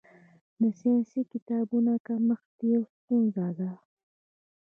د ساینسي کتابونو کمښت یوه ستونزه ده.